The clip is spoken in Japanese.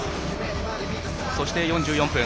そして、４４分。